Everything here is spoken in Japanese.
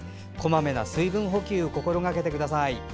こまめな水分補給を心がけてください。